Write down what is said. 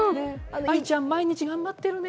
愛ちゃん、毎日頑張ってるね